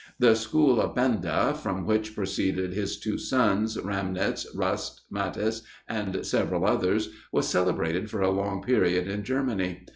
The school of Benda, from which proceeded his two sons, Ramnitz, Rust, Matthes, and several others, was celebrated for a long period in Germany.